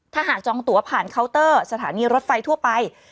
ถ้าหากจองตัวผ่านเคาน์เตอร์สถานีรถไฟทั่วไป